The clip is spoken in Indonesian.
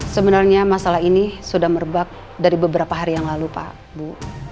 sebenarnya masalah ini sudah merebak dari beberapa hari yang lalu pak bu